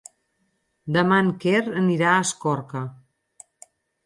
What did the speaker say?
Demà en Quer anirà a Escorca.